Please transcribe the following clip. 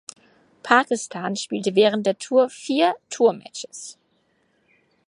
Pakistan spielte während der Tour vier Tour Matches.